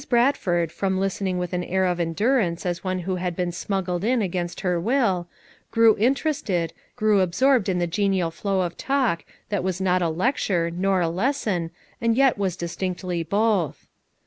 Bradford, from listening with an air of endurance as one who had been smuggled in against her will, grew interested, grew ab sorbed in the genial flow of talk, that was not a lecture, nor a lesson, and yet was distinctly both.